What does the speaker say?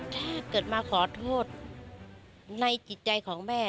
ถ้าเกิดมาขอโทษในจิตใจของแม่